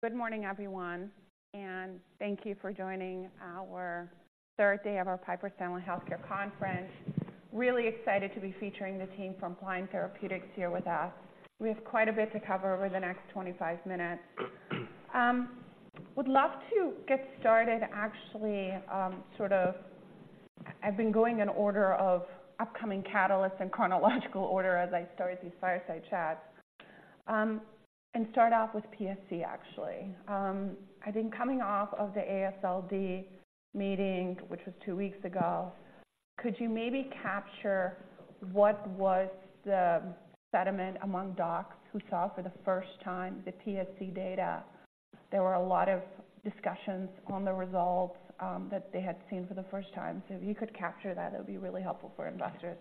Good morning, everyone, and thank you for joining our third day of our Piper Sandler Healthcare Conference. Really excited to be featuring the team from Pliant Therapeutics here with us. We have quite a bit to cover over the next 25 minutes. Would love to get started, actually. I've been going in order of upcoming catalysts and chronological order as I start these fireside chats. And start off with PSC, actually. I think coming off of the AASLD meeting, which was two weeks ago, could you maybe capture what was the sentiment among docs who saw for the first time the PSC data? There were a lot of discussions on the results that they had seen for the first time. So if you could capture that, it would be really helpful for investors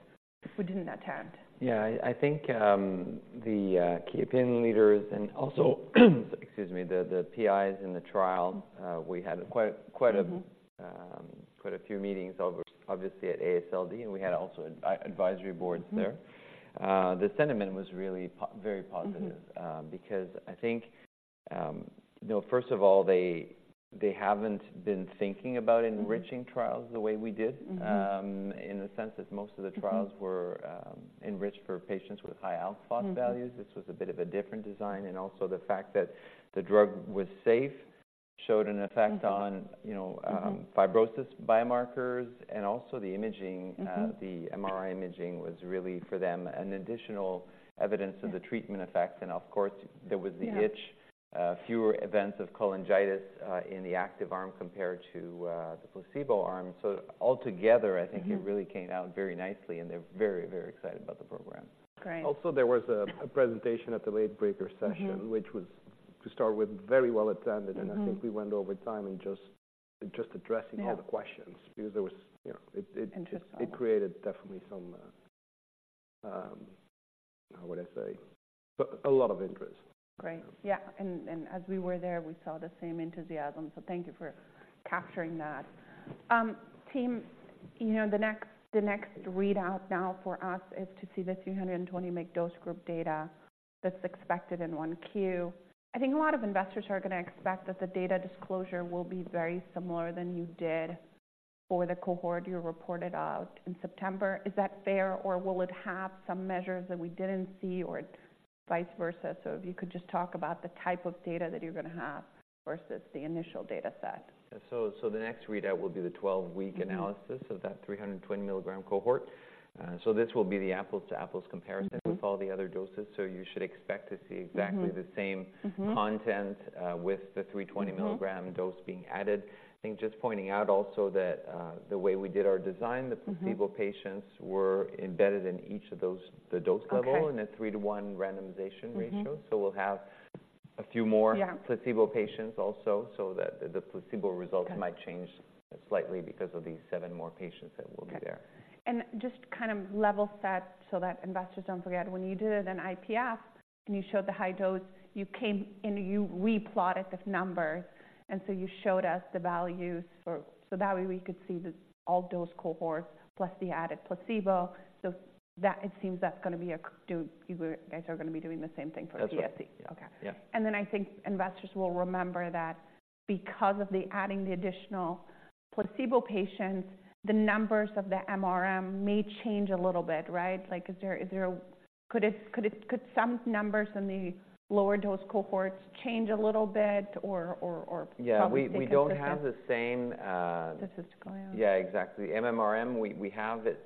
who didn't attend. Yeah, I think the key opinion leaders and also, excuse me, the PIs in the trial, we had quite a quite a few meetings over, obviously, at AASLD, and we had also advisory boards there. The sentiment was really very positive. Because I think, you know, first of all, they haven't been thinking about enriching trials the way we did. In the sense that most of the trials were enriched for patients with high ALP values. This was a bit of a different design, and also the fact that the drug was safe, showed an effect on, you know, fibrosis biomarkers and also the imaging. The MRI imaging was really, for them, an additional evidence of the treatment effect. Of course, there was the itch fewer events of cholangitis in the active arm compared to the placebo arm. So altogether, I think it really came out very nicely, and they're very, very excited about the program. Great. Also, there was a presentation at the late breaker session which was, to start with, very well attended. I think we went over time in just addressing all the questions because there was, you know, it it created definitely some, how would I say? A lot of interest. Great. Yeah, and, and as we were there, we saw the same enthusiasm, so thank you for capturing that. Team, you know, the next, the next readout now for us is to see the 320 mg dose group data that's expected in 1Q. I think a lot of investors are gonna expect that the data disclosure will be very similar than you did for the cohort you reported out in September. Is that fair, or will it have some measures that we didn't see or vice versa? So if you could just talk about the type of data that you're gonna have versus the initial data set. So the next readout will be the 12-week analysis of that 320 mg cohort. So this will be the apples-to-apples comparison with all the other doses. So you should expect to see exactly the same content, with the 320 mg dose being added. I think just pointing out also that, the way we did our design the placebo patients were embedded in each of those, the dose level in a 3:1 randomization ratio. So we'll have a few more placebo patients also, so that the placebo results might change slightly because of these seven more patients that will be there. Okay. And just to kind of level set so that investors don't forget, when you did an IPF and you showed the high dose, you came and you replotted the numbers, and so you showed us the values for. So that way we could see the, all dose cohorts plus the added placebo. So that, it seems that's gonna be. You guys are gonna be doing the same thing for PSC. That's right. Okay. Yeah. Then I think investors will remember that because of adding the additional placebo patients, the numbers of the MMRM may change a little bit, right? Like, could some numbers in the lower dose cohorts change a little bit or probably stay the same? Yeah, we don't have the same. Statistical. Yeah, exactly. MMRM, we have it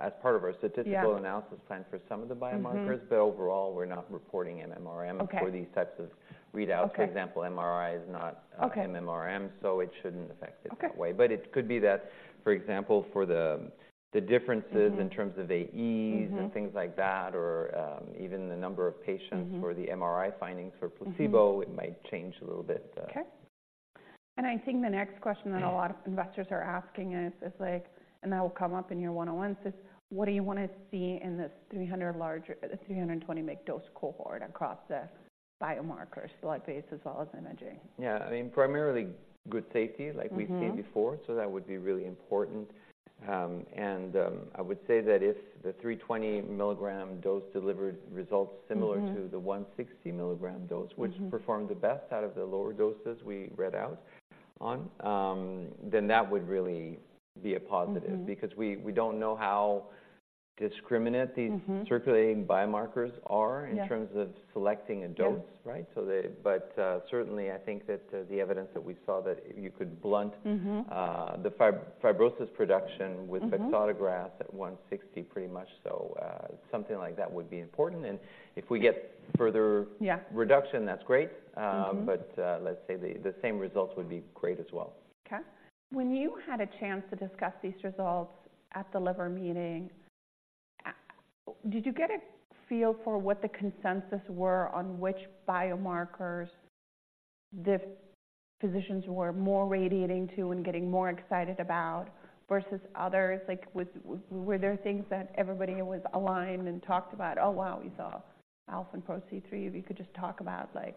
as part of our statistical analysis plan for some of the biomarkers. But overall, we're not reporting MMRM for these types of readouts. Okay. For example, MRI is not MMRM, so it shouldn't affect it that way. Okay. But it could be that, for example, for the differences in terms of AEs and things like that, or, even the number of patients for the MRI findings for placebo it might change a little bit. Okay. I think the next question that a lot of investors are asking is, is like, and that will come up in your one-on-ones, is what do you want to see in this 300 larger, the 320 mg dose cohort across the biomarkers, like base as well as imaging? Yeah, I mean, primarily good safety like we've seen before, so that would be really important. I would say that if the 320 mg mg dose delivered results similar to the 160 mg dose which performed the best out of the lower doses we read out on, then that would really be a positive. Because we don't know how discriminate these circulating biomarkers are in terms of selecting a dose. Yeah. Right? So they... But, certainly, I think that, the evidence that we saw, that you could blunt the fibrosis production with FVC at 160, pretty much so. Something like that would be important, and if we get further reduction, that's great. Mm-hmm. Let's say the same results would be great as well. Okay. When you had a chance to discuss these results at the liver meeting, did you get a feel for what the consensus were on which biomarkers the physicians were more relating to and getting more excited about versus others? Like, were there things that everybody was aligned and talked about, "Oh, wow, we saw ALP PRO-C3?" if you could just talk about, like,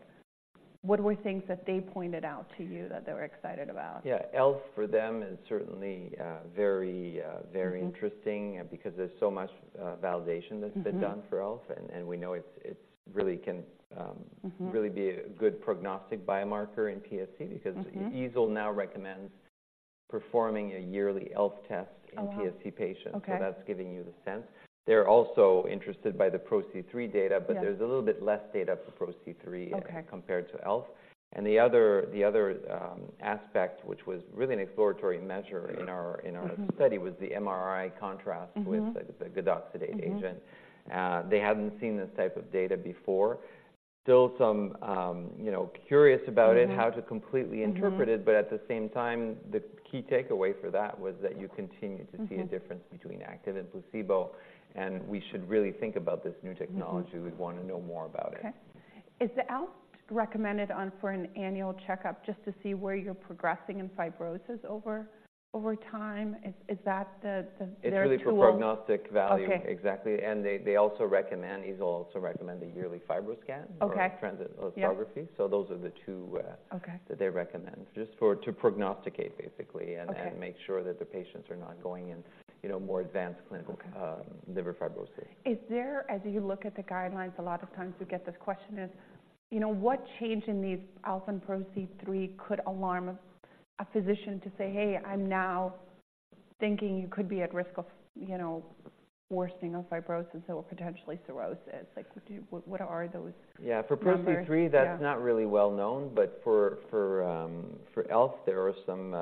what were things that they pointed out to you that they were excited about? Yeah. ELF, for them, is certainly, very, very interesting because there's so much validation that's been done for ALF, and we know it's really can. Really be a good prognostic biomarker in PSC, because EASL now recommends-... performing a yearly ELF test in PSC patients. Okay. So that's giving you the sense. They're also interested by PRO-C3 data but there's a little bit less data PRO-C3 compared to ELF. The other aspect, which was really an exploratory measure in our in our study, was the MRI contrast with the gadoxetate agent. Mm-hmm. They hadn't seen this type of data before. Still some, you know, curious about it how to completely interpret it. Mm-hmm. But at the same time, the key takeaway for that was that you continue to see a difference between active and placebo, and we should really think about this new technology. Mm-hmm. We'd want to know more about it. Okay. Is the ELF recommended on for an annual checkup just to see where you're progressing in fibrosis over time? Is that their tool? It's really for prognostic value. Okay. Exactly, and they also recommend, these also recommend a yearly Fibroscan or transient elastography. Yeah. So those are the two, that they recommend, just for, to prognosticate, basically and make sure that the patients are not going in, you know, more advanced clinical liver fibrosis. Is there, as you look at the guidelines, a lot of times we get this question is, you know, what change in these ELF PRO-C3 could alarm a physician to say, "Hey, I'm now thinking you could be at risk of, you know, worsening of fibrosis or potentially cirrhosis?" Like, what are those numbers? Yeah, PRO-C3 that's not really well known, but for ELF, there are some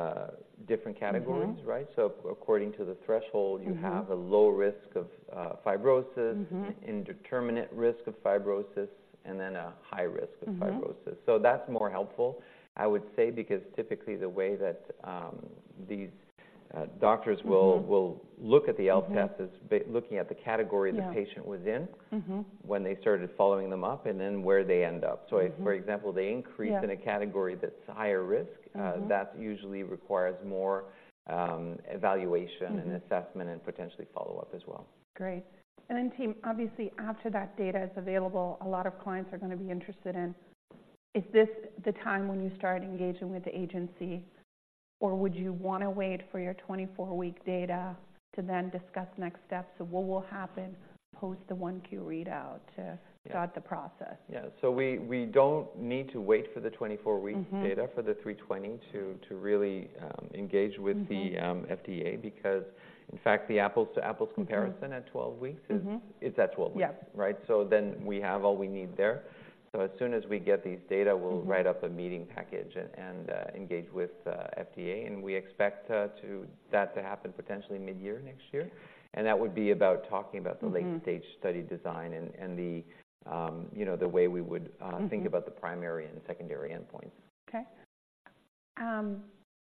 different categories. Mm-hmm. Right? So according to the threshold you have a low risk of fibrosis an indeterminate risk of fibrosis, and then a high risk of fibrosis. Mm-hmm. That's more helpful, I would say, because typically the way that these doctors will will look at the ELF test is looking at the category the patient was in when they started following them up, and then where they end up. Mm-hmm. So, for example, they increase in a category that's higher risk that usually requires more, evaluation and assessment, and potentially follow-up as well. Great. And then, team, obviously, after that data is available, a lot of clients are going to be interested in, is this the time when you start engaging with the agency, or would you want to wait for your 24-week data to then discuss next steps? So what will happen post the 1Q readout to start the process? Yeah, so we don't need to wait for the 24-week data for the 320 to really engage with the, FDA, because, in fact, the apples to apples comparison at 12 weeks is it's at 12 weeks. Yeah. Right? So then we have all we need there. So as soon as we get these data we'll write up a meeting package and engage with FDA, and we expect that to happen potentially midyear next year. And that would be about talking about the late-stage study design and, you know, the way we would think about the primary and secondary endpoints. Okay.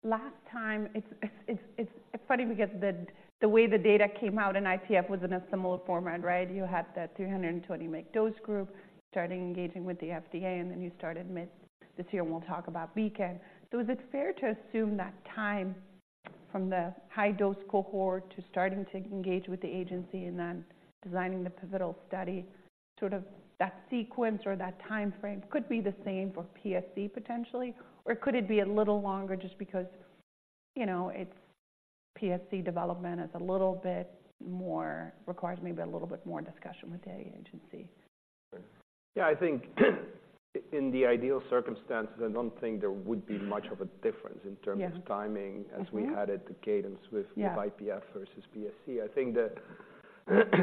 Last time, it's funny because the way the data came out in IPF was in a similar format, right? You had the 320 mg dose group starting engaging with the FDA, and then you started mid this year, and we'll talk about Beacon. So is it fair to assume that time from the high dose cohort to starting to engage with the agency and then designing the pivotal study, sort of that sequence or that timeframe could be the same for PSC potentially? Or could it be a little longer just because, you know, it's PSC development is a little bit more... requires maybe a little bit more discussion with the agency? Yeah, I think in the ideal circumstances, I don't think there would be much of a difference in terms of timing. As we had it, the cadence with IPF versus PSC. I think that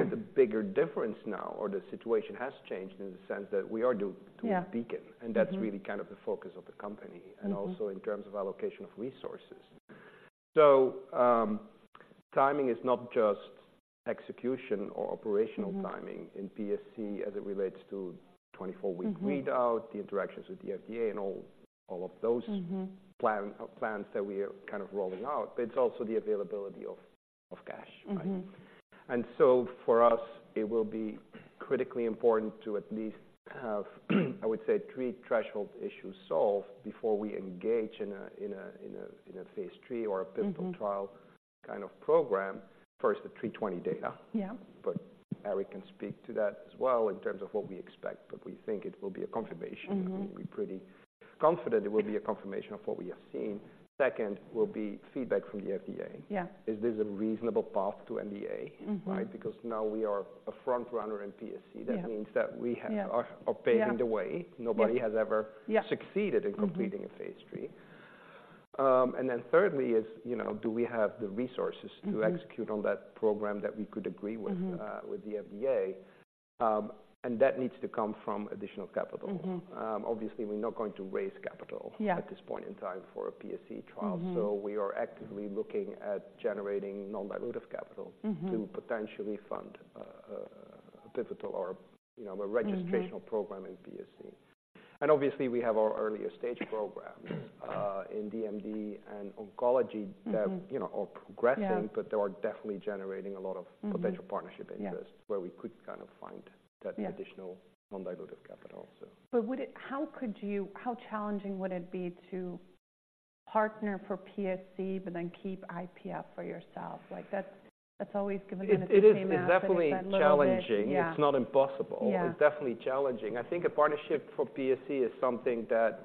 the bigger difference now, or the situation has changed in the sense that we are doing doing BEACON. Mm-hmm. That's really kind of the focus of the company and also in terms of allocation of resources. So, timing is not just execution or operational timing in PSC as it relates to 24-week readout, the interactions with the FDA, and all, all of those plans that we are kind of rolling out. It's also the availability of cash, right? Mm-hmm. And so for us, it will be critically important to at least have, I would say, three threshold issues solved before we engage in a phase III or a pivotal trial kind of program. First, the 320 data. Yeah. Eric can speak to that as well in terms of what we expect, but we think it will be a confirmation. Mm-hmm. We're pretty confident it will be a confirmation of what we have seen. Second, will be feedback from the FDA. Yeah. Is this a reasonable path to NDA? Mm-hmm. Right? Because now we are a frontrunner in PSC. Yeah. That means that we have are paving the way. Yeah. Nobody has ever succeeded in completing a phase III. And then thirdly is, you know, do we have the resources to execute on that program that we could agree with with the FDA? And that needs to come from additional capital. Mm-hmm. Obviously, we're not going to raise capital at this point in time for a PSC trial. Mm-hmm. We are actively looking at generating non-dilutive capital to potentially fund a pivotal or, you know, a registrational program in PSC. Obviously, we have our earlier stage programs in DMD and oncology that, you know, are progressing but they are definitely generating a lot of potential partnership interest where we could kind of find that additional non-dilutive capital also. But how challenging would it be to partner for PSC, but then keep IPF for yourself? Like, that's, that's always gonna be- It is, it's definitely challenging. Yeah. It's not impossible. Yeah. It's definitely challenging. I think a partnership for PSC is something that,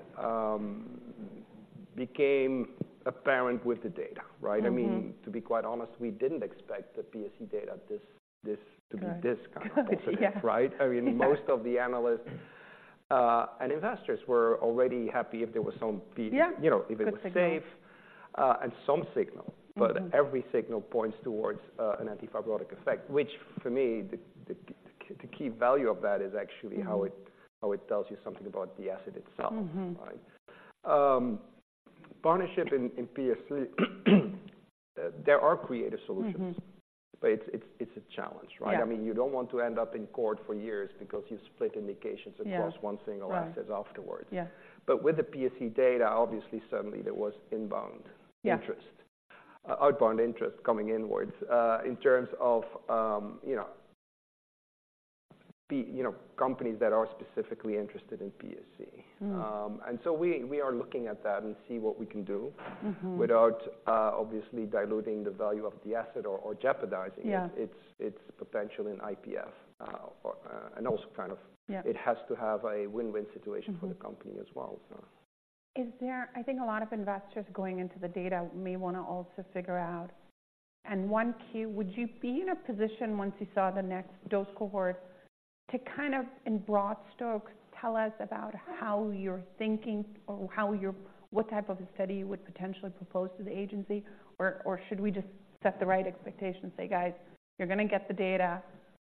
became apparent with the data, right? Mm-hmm. I mean, to be quite honest, we didn't expect the PSC data, this, this to be this kind of positive right? Yeah. I mean, most of the analysts and investors were already happy if there was some. You know, if it was safe, Good signal. Some signal. Every signal points toward an antifibrotic effect, which for me, the key value of that is actually how it tells you something about the asset itself. Mm-hmm. Right? Partnership in PSC, there are creative solutions. Mm-hmm. But it's a challenge, right? Yeah. I mean, you don't want to end up in court for years because you split indications. Across one single asset afterwards. Yeah. But with the PSC data, obviously, suddenly there was inbound interest, outbound interest coming inwards. In terms of, you know, companies that are specifically interested in PSC. Mm. And so we are looking at that and see what we can do. Without obviously diluting the value of the asset or jeopardizing it. Yeah. It's potential in IPF, and also kind of it has to have a win-win situation. For the company as well, so. I think a lot of investors going into the data may wanna also figure out, and one key: would you be in a position, once you saw the next dose cohort, to kind of, in broad strokes, tell us about how you're thinking or how you're what type of a study you would potentially propose to the agency? Or should we just set the right expectations, say: "Guys, you're gonna get the data,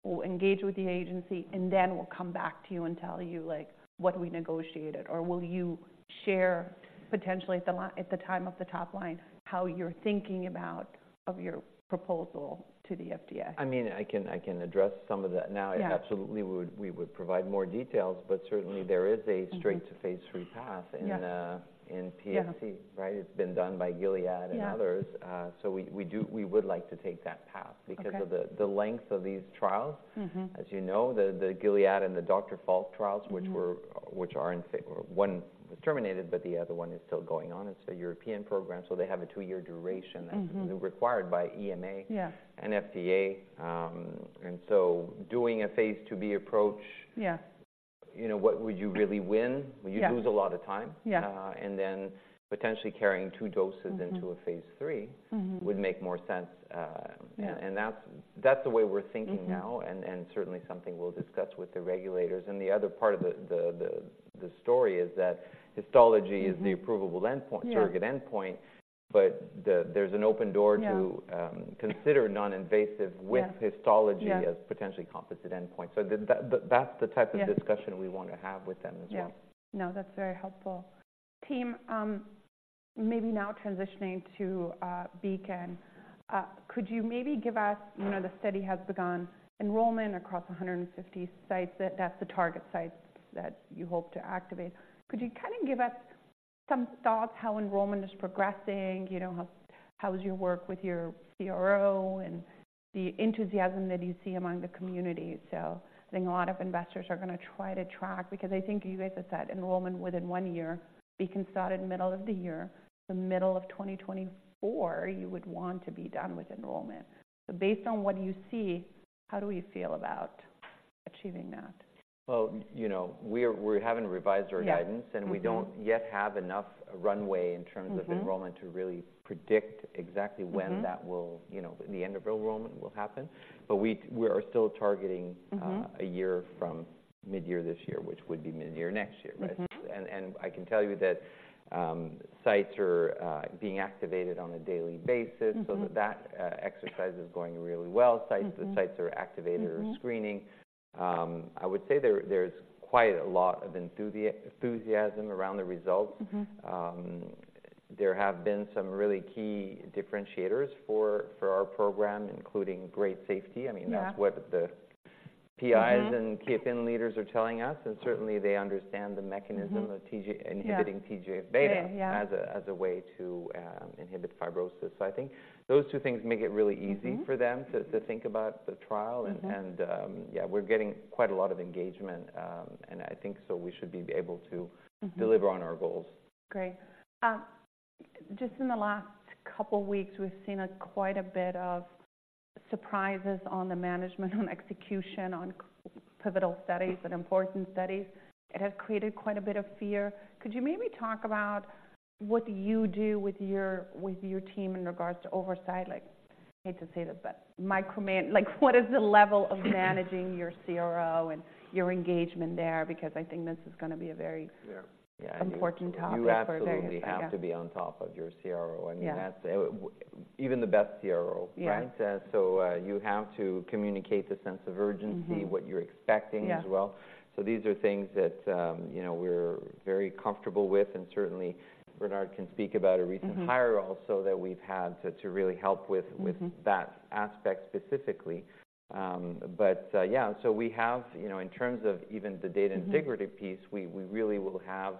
we'll engage with the agency, and then we'll come back to you and tell you, like, what we negotiated." Or will you share potentially at the time of the top line, how you're thinking about your proposal to the FDA? I mean, I can, I can address some of that now. Yeah. I absolutely would- we would provide more details, but certainly there is a straight-to-phase III path in, in PSC. Yeah. Right? It's been done by Gilead and others. Yeah. So we would like to take that path because of the length of these trials. Mm-hmm. As you know, the Gilead and the Dr. Falk trials which were, which are. One was terminated, but the other one is still going on. It's a European program, so they have a two-year duration that's required by EMA and FDA. And so doing a phase IIb approach you know, what would you really win? Yeah. Would you lose a lot of time? Yeah. And then potentially carrying two doses into a phase III would make more sense, and that's the way we're thinking now. And certainly something we'll discuss with the regulators. And the other part of the story is that histology is the approvable endpoint surrogate endpoint, but the, there's an open door to consider noninvasive with histology as potentially composite endpoint. So that, that's the type of discussion we want to have with them as well. Yes. No, that's very helpful. Team, maybe now transitioning to Beacon. Could you maybe give us, you know, the study has begun enrollment across 150 sites, that's the target sites that you hope to activate. Could you kind of give us some thoughts how enrollment is progressing? You know, how is your work with your CRO and the enthusiasm that you see among the community? So I think a lot of investors are gonna try to track, because I think you guys have said enrollment within one year, Beacon started middle of the year, the middle of 2024, you would want to be done with enrollment. So based on what you see, how do we feel about achieving that? Well, you know, we haven't revised our guidance and we don't yet have enough runway in terms of enrollment to really predict exactly when that will, you know, the end of enrollment will happen. But we, we are still targeting a year from midyear this year, which would be midyear next year, right? Mm-hmm. I can tell you that sites are being activated on a daily basis so that, exercise is going really well. Mm-hmm. Sites, the sites are activated or screening. I would say there, there's quite a lot of enthusiasm around the results. Mm-hmm. There have been some really key differentiators for our program, including great safety. Yeah. I mean, that's what the PIs and IPF leaders are telling us, and certainly they understand the mechanism of TGF-β inhibiting TGF-β as a way to inhibit fibrosis. So I think those two things make it really easy for them to think about the trial. Mm-hmm. Yeah, we're getting quite a lot of engagement, and I think so we should be able to deliver on our goals. Great. Just in the last couple weeks, we've seen quite a bit of surprises on the management, on execution, on pivotal studies and important studies. It has created quite a bit of fear. Could you maybe talk about what you do with your team in regards to oversight? Like, I hate to say this, but micromanaging—like, what is the level of managing your CRO and your engagement there? Because I think this is gonna be a very important topic for various- You absolutely have to be on top of your CRO. Yeah. I mean, that's even the best CRO, right? Yeah. So, you have to communicate the sense of urgency what you're expecting as well. Yeah. These are things that, you know, we're very comfortable with, and certainly Bernard can speak about a recent hire also, that we've had to really help with with that aspect specifically. But, yeah, so we have, you know, in terms of even the data integrity piece we really will have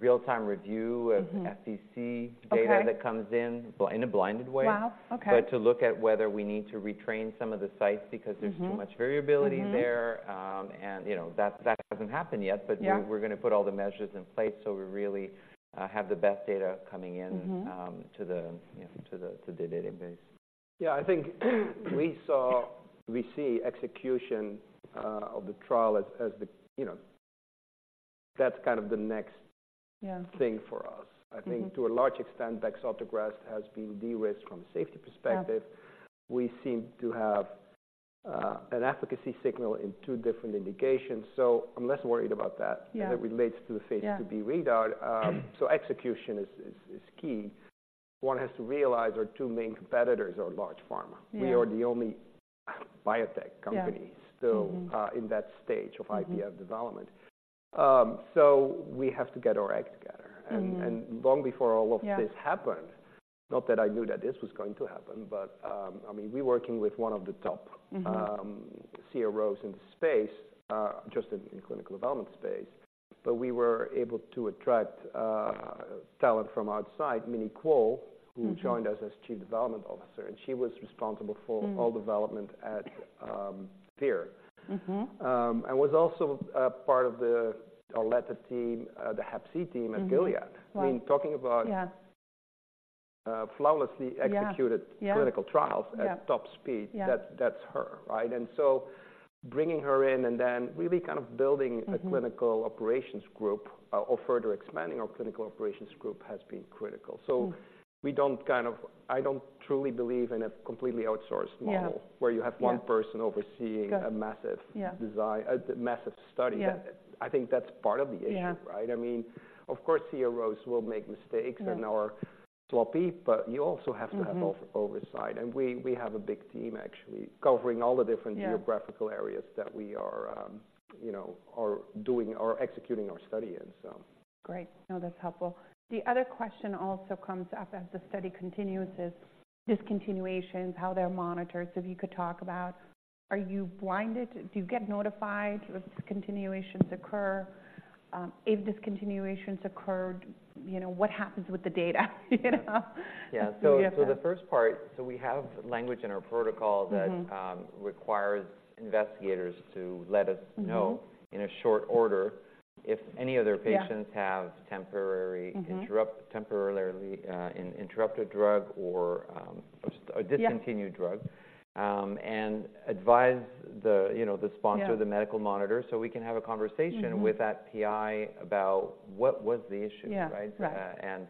real-time review of FVC data that comes in a blinded way. Wow! Okay. But to look at whether we need to retrain some of the sites, because there's too much variability there. Mm-hmm. You know, that hasn't happened yet. But we're gonna put all the measures in place, so we really have the best data coming in you know, to the database. Yeah. I think we saw, we see execution of the trial as the. That's kind of the next thing for us. Mm-hmm. I think to a large extent, bexotegrast has been de-risked from safety perspective. Yeah. We seem to have an efficacy signal in two different indications, so I'm less worried about that. Yeah. It relates to the phase IIB readout. So execution is key. One has to realize our two main competitors are large pharma. Yeah. We are the only biotech company still in that stage of IPF Mm-hmm -development. So we have to get our act together. Mm-hmm. And long before all of- Yeah This happened, not that I knew that this was going to happen, but, I mean, we working with one of the top- Mm-hmm CROs in the space, just in clinical development space. But we were able to attract talent from outside, Minnie Kuo- Mm-hmm -who joined us as Chief Development Officer, and she was responsible for- Mm-hmm -all development at, Tir. Mm-hmm. and was also part of the Oleta team, the Hep C team at- Mm-hmm -Gilead. Right. I mean, talking about- Yeah -uh, flawlessly- Yeah -executed- Yeah -clinical trials- Yeah at top speed. Yeah. That's, that's her, right? And so bringing her in and then really kind of building- Mm-hmm -a clinical operations group, or further expanding our clinical operations group, has been critical. Mm. So we don't kind of... I don't truly believe in a completely outsourced model- Yeah -where you have- Yeah One person overseeing. Got it -a massive- Yeah -design, massive study. Yeah. I think that's part of the issue- Yeah Right? I mean, of course, CROs will make mistakes. Yeah and are sloppy, but you also have to have Mm-hmm -over oversight, and we have a big team actually, covering all the different- Yeah geographical areas that we are, you know, are doing or executing our study in, so. Great. No, that's helpful. The other question also comes up as the study continues, is discontinuations, how they're monitored. So if you could talk about, are you blinded? Do you get notified if discontinuations occur? If discontinuations occurred, you know, what happens with the data? You know? Yeah. Yeah. So the first part, we have language in our protocol- Mm-hmm -that, requires investigators to let us- Mm-hmm know in a short order if any of their patients- Yeah -have temporary- Mm-hmm -interrupt, temporarily, in interrupted drug or, just- Yeah -a discontinued drug. And advise the, you know, the sponsor- Yeah the medical monitor, so we can have a conversation Mm-hmm with that PI about what was the issue. Yeah -right? Right.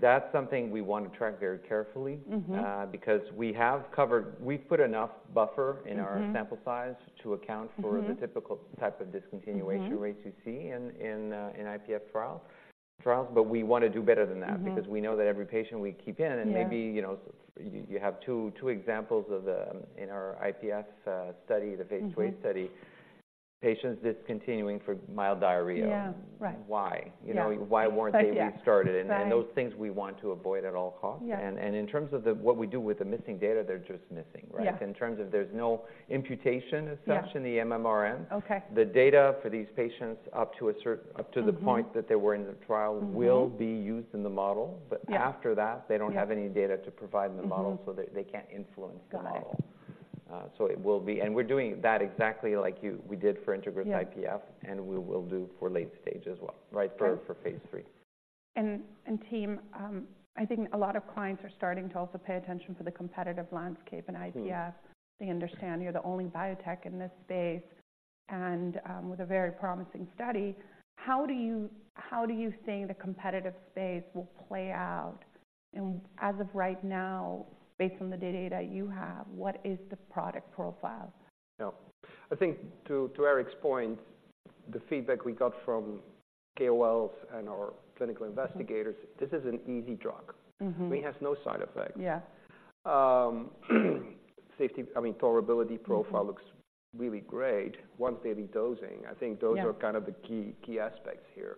That's something we want to track very carefully. Mm-hmm. Because we have covered. We've put enough buffer in our- Mm-hmm sample size to account for Mm-hmm the typical type of discontinuation. Mm-hmm rates you see in IPF trials. But we want to do better than that Mm-hmm -because we know that every patient we keep in- Yeah -and maybe, you know, you have two examples of the in our IPF study, the- Mm-hmm phase II study, patients discontinuing for mild diarrhea. Yeah. Right. Why? Yeah. You know, why weren't they- Yeah -restartled? Right. Those things we want to avoid at all costs. Yeah. In terms of the... what we do with the missing data, they're just missing, right? Yeah. In terms of there's no imputation assumption- Yeah -in the MMRM. Okay. The data for these patients up to a certain Mm-hmm up to the point that they were in the trial Mm-hmm will be used in the model. Yeah. But after that, they- Yeah Don't have any data to provide in the model. Mm-hmm so they, they can't influence the model. Got it. So it will be, and we're doing that exactly like you, we did for INTEGRIS-IPF. Yeah and we will do for late stage as well, right? Right. For phase III. And team, I think a lot of clients are starting to also pay attention for the competitive landscape in IPF. Mm. They understand you're the only biotech in this space and, with a very promising study. How do you, how do you think the competitive space will play out? And as of right now, based on the data that you have, what is the product profile? Yeah. I think to, to Éric's point, the feedback we got from KOLs and our clinical investigators- Mm-hmm. This is an easy drug. Mm-hmm. It has no side effects. Yeah. Safety, I mean, tolerability profile- Mm-hmm Looks really great once daily dosing. Yeah. I think those are kind of the key, key aspects here.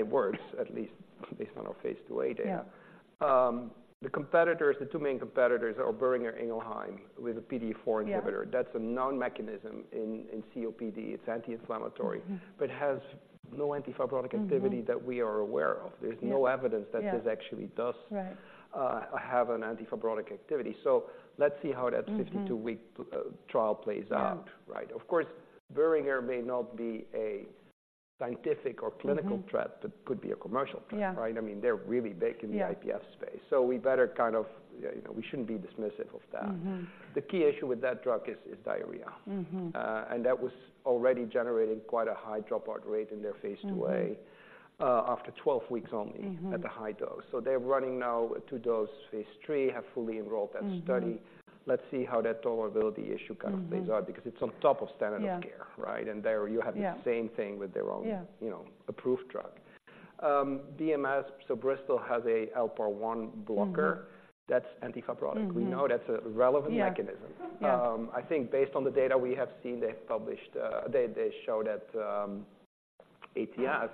It works at least based on our phase IIa data. Yeah. The competitors, the two main competitors, are Boehringer Ingelheim with a PDE4B inhibitor. Yeah. That's a known mechanism in COPD. It's anti-inflammatory- Mm-hmm But has no antifibrotic activity. Mm-hmm that we are aware of. Yeah. There's no evidence- Yeah that this actually does Right have an antifibrotic activity. So let's see how that- Mm-hmm 52-week trial plays out. Yeah. Right. Of course, Boehringer may not be a scientific- Mm-hmm Or clinical threat, but could be a commercial threat. Yeah. Right? I mean, they're really big in the- Yeah IPF space, so we better kind of, you know, we shouldn't be dismissive of that. Mm-hmm. The key issue with that drug is diarrhea. Mm-hmm. That was already generating quite a high dropout rate in their phase IIa- Mm-hmm after 12 weeks only- Mm-hmm at the high dose. So they're running now a two-dose phase III, have fully enrolled that study. Mm-hmm. Let's see how that tolerability issue- Mm-hmm Kind of plays out, because it's on top of standard of care. Yeah. Right? And there- Yeah You have the same thing with their own- Yeah -you know, approved drug. BMS, so Bristol has a ALK1 blocker- Mm-hmm -that's antifibrotic. Mm-hmm. We know that's a relevant mechanism. Yeah. Yeah. I think based on the data we have seen, they've published, they show that at ATS,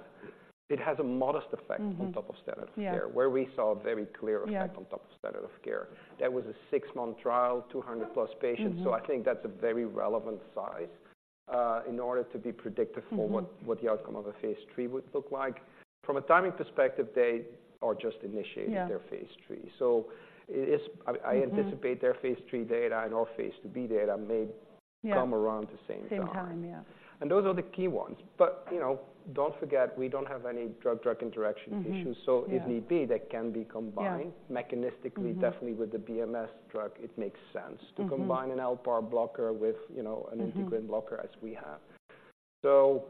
it has a modest effect- Mm-hmm on top of standard of care. Yeah. Where we saw a very clear effect- Yeah -on top of standard of care. That was a -month trial, 200+ patients. Mm-hmm. I think that's a very relevant size in order to be predictive- Mm-hmm for what, what the outcome of a phase III would look like. From a timing perspective, they are just initiating- Yeah -their phase III. So it is- Mm-hmm... I anticipate their phase III data and our phase IIb data may- Yeah come around the same time. Same time, yeah. Those are the key ones. But, you know, don't forget, we don't have any drug-drug interaction issues. Mm-hmm. Yeah. If need be, they can be combined- Yeah -mechanistically- Mm-hmm Definitely with the BMS drug, it makes sense. Mm-hmm to combine an ALK blocker with, you know Mm-hmm an integrin blocker, as we have. So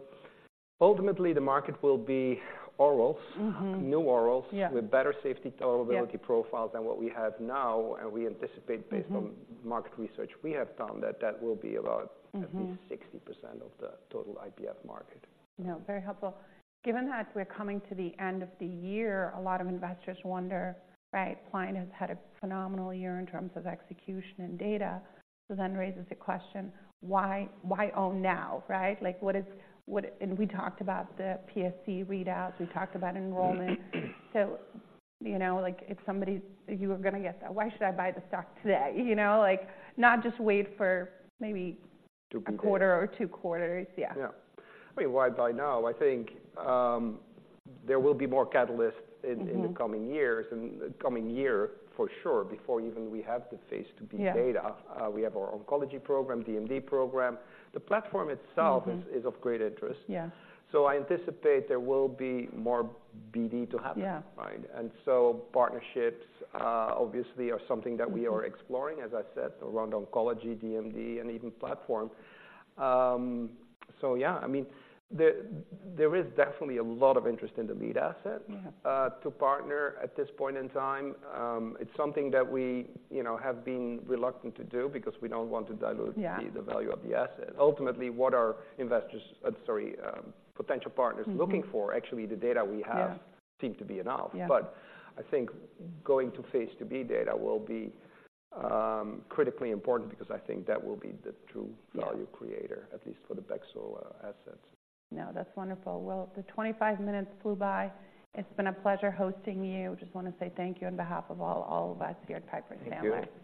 ultimately, the market will be orals. Mm-hmm. New orals- Yeah. with better safety tolerability profiles than what we have now, and we anticipate, based on Mm-hmm market research, we have found that that will be about Mm-hmm -at least 60% of the total IPF market. No, very helpful. Given that we're coming to the end of the year, a lot of investors wonder, right, Pliant has had a phenomenal year in terms of execution and data. So then raises the question, why, why own now, right? Like, what is, what and we talked about the PSC readouts, we talked about enrollment. So, you know, like, if somebody. You were gonna get that. Why should I buy the stock today? You know, like, not just wait for maybe- To be- A quarter or two quarters. Yeah. Yeah. I mean, why buy now? I think, there will be more catalyst in- Mm-hmm in the coming years, in the coming year, for sure, before even we have the phase IIb data. Yeah. We have our Oncology Program, DMD Program. The platform itself- Mm-hmm is of great interest. Yeah. I anticipate there will be more BD to happen. Yeah. Right? And so partnerships obviously are something that we are exploring, as I said, around oncology, DMD, and even platform. So yeah, I mean, there is definitely a lot of interest in the lead asset- Yeah to partner at this point in time. It's something that we, you know, have been reluctant to do because we don't want to dilute- Yeah the value of the asset. Ultimately, what our investors, potential partners- Mm-hmm are looking for, actually, the data we have Yeah Seem to be enough. Yeah. But I think going to phase IIb data will be critically important because I think that will be the true- Yeah -value creator, at least for the bexotegrast assets. No, that's wonderful. Well, the 25 minutes flew by. It's been a pleasure hosting you. Just want to say thank you on behalf of all, all of us here at Piper Sandler.